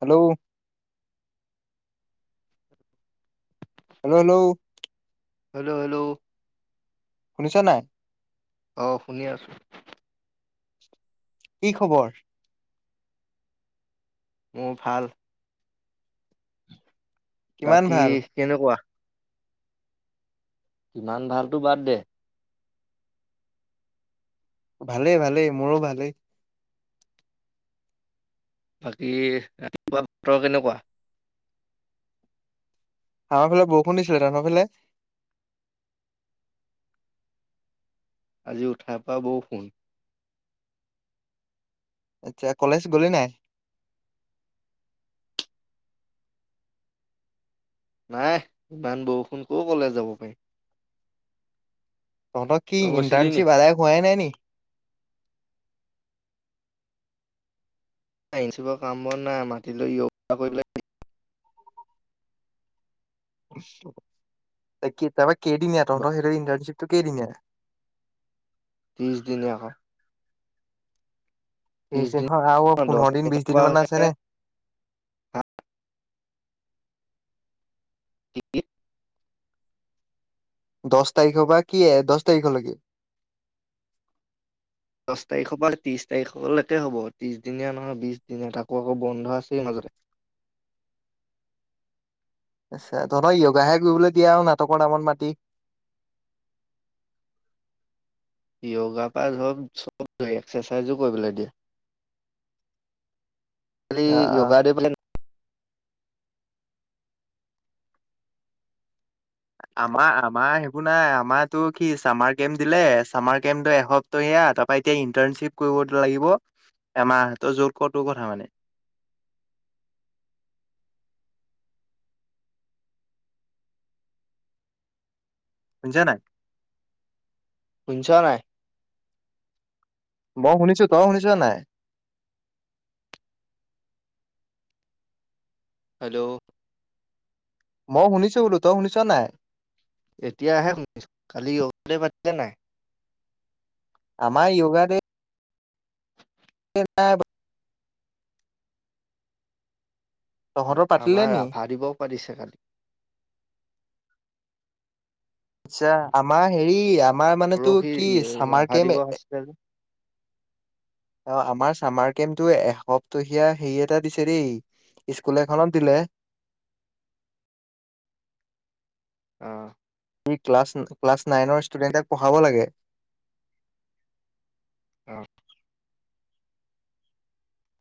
Hello hello hello hello hello শুনিছ নাই অ শুনি আছো কি খবৰ মোৰ ভাল কিমান বাকী ভাল কেনেকুৱা কিমান ভালতটো বাদ দে ভালেই ভালেই মোৰো ভালেই বাকী ৰাতিপুৱা বতৰ কেনেকুৱা আমাৰ ফালে বৰষুণ দিছিল তহঁতৰফালে আজি উঠা পা বৰষুণ আটচ্ছা কলেজ গ'লি নাই নাই ইমান বৰষুণ কও কলেজ যাব পাৰি তহত কি ইণ্টাৰ্নশ্বিপ আদায় হোৱাই নাই নি এই চবৰ কাম বন নাই মাটি লৈ য়গা কৰিবলৈ এ কি তাপা কেইদিনীয়া লাগিব তহঁতৰ সেইটো ইণ্টাৰ্ণচিপ কেইদিনিয়া ত্ৰিছ দিনীয়া আকৌ ত্ৰিশ দিন আৰু দহ পোন্ধৰ দিন বিছ তাৰিখৰ দিন পৰা মান হৈছে আছে নে কি দহ তাৰিখৰ পা কি দহ তাৰিখলৈকে দহ তাৰিখৰ পৰা ত্ৰিশ তাৰিখলৈকে হ'ব ত্ৰিশ দিনীয়া নহয় বিশ দিনীয়া তাকো আকৌ বন্ধ আছেই মাজতে আচ্ছা তহঁতক য়গা হে কৰিবলৈ দিয়া আৰু নাটকৰ নামত মাতি য়গা পা হব চব এক্সেচাইজো কৰিবলৈ দিয়ে লি আহ য়গা ডে ফালে আমাৰ আমাৰ সেইবোৰ নাই আমাৰটো কি চামাৰ কেম্প দিলে চামাৰ কেম্প এসপ্তাহয়া তাপা এতিয়া ইন্টানশ্বিপ কৰিব লাগিব এমাহৰ যত কৰ টোৰ কথা মানে শুনিছ নাই শুনিছ নাই মই শুনিছো তই শুনিছ নাই হেল্ল' মই শুনিছো বোলো তই শুনিছ নাই এতিয়া আহে শুনিছো কালি তে পাতিলে নাই আমাৰ য়গা ডে নাই তহঁতৰ পাতিলে আমাৰ নি? ৰাভা দিৱস পাতিছে আচ্ছা আমাৰ হেৰি আমাৰ মানেটো পৰহি কি ই- চামাৰ ৰাভা কেম দিৱস [unintelligible] আছিলে যে অ' আমাৰ চামাৰ কেমটো এসপ্তহীয়া হেৰি এটা দিছে দেই, স্কুল এখনত দিলে। অহ। কি ক্লাছ - ক্লাছ নাইনৰ ষ্টুডেন্টক পঢ়াব লাগে। অহ।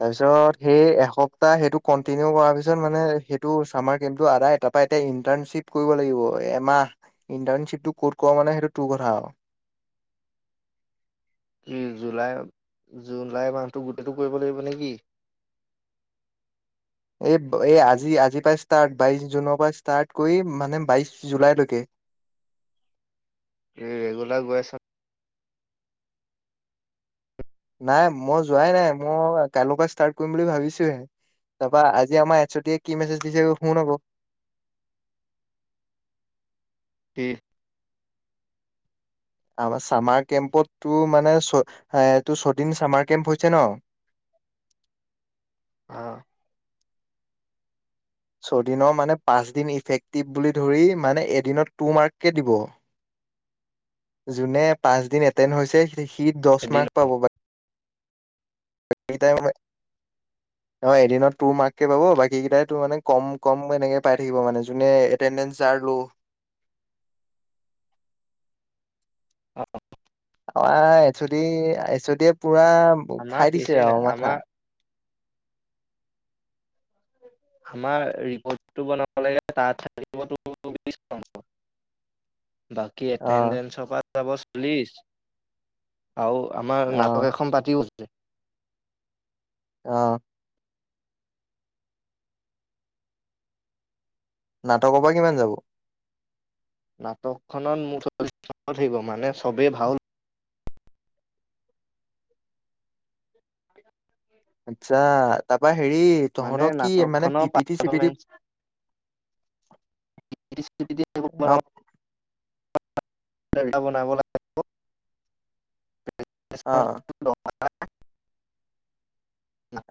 তাৰ পিছত সেই এসপ্তাহ সেইটো কন্টিনিউ কৰাৰ পিছত মানে সেইটো চামাৰ কেম্পটো আদায় তাৰ পা এতি ইন্টাৰণশ্বিপ কৰিব লাগিব এমাহ ইন্টাৰণশ্বিপটো ক'ত কৰ মানে সেইটো তোৰ কথা আৰু। কি জুলাই - জুলাই মাহটো গোটেইটো কৰিব লাগিব নেকি? এই - এই আজি আজিৰ পৰা ষ্টাৰ্ট বাইশ জুনৰ পৰা ষ্টাৰ্ট কৰি মানে বাইশ জুলাইলৈকে। ৰে - ৰেগুলাৰ গৈ আছ? নাই মই যোৱাই নাই মই কাইলৰ পৰা ষ্টাৰ্ট কৰিম বুলি ভাবিছোহে। তাৰাপা আজি আমাৰ এইচ অ ডি কি মেছেজ দিছে শুন আকো। [unintelligible] আমাৰ চামাৰ কেম্পতটো মানে ছ - এ তেওঁৰ ছদিন চামাৰ কেম্প হৈছে ন। অঁ। ছদিনৰ মানে পাঁচ দিন ইফেক্টিভ বুলি ধৰি মানে এদিনত টু মাৰ্ককে দিব। যোনে পাঁচ দিন এটেণ্ড হৈছে সি দচ এদিন মাৰ্ক পাব [unintelligible] [unintelligible] অ' এদিনত টূৰ মাৰ্ককে পাব বাকী কেটাইটো মানে কম - কম এনেকে পাই থাকিব জোনে এটেন্দেন্স যাৰ লো'। অ', অ আঁ, H O D - H O ডিয়ে পুৰা আমাৰ খাই দিছে কেছে নাই আৰু মাথা। আমাৰ আমাৰ ৰিপৰ্টটো বনাব লাগে তাত [unintelligible] বাকী অ এটেডেন্সৰ পৰা চাবচ, প্লিজ। আৰু আমাৰ অ নাটক এখন পাতিও [inaudible] অঁ। নাটকৰ পৰা কিমান যাব? নাটকখনত মোৰ [unintelligible] থাকিব মানে চবেই ভাও আচ্ছা তাৰপাই হেৰি মানে তহঁতৰ কি মানে নাটকখনৰ পিপিটি চিপিটি, অ'। পাৰফৰ্মেঞ্চ [unintelligible] বনাব লাগিব। অঁ। [unintelligible]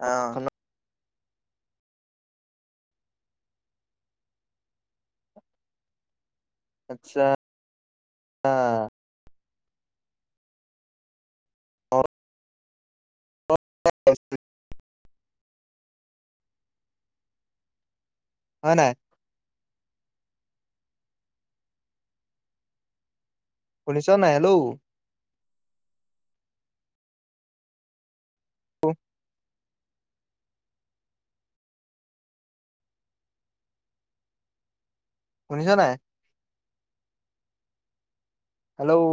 অ [unintelligible] আচ্ছা, আ। [unintelligible] [unintelligible] হয় নাই? শুনিছ নাই? হেল্ল'! [unintelligible] শুনিছ নাই? হেল্ল'!